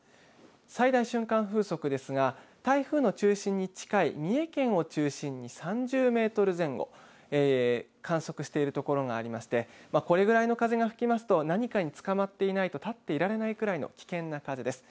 最大瞬間風速ですが、台風の中心に近い三重県を中心に３０メートル前後、観測している所がありまして、これぐらいの風が吹きますと、何かにつかまっていないと立っていられないくらいの危険な風です。